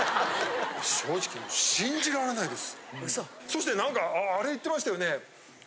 そして何かあれ言ってましたよね。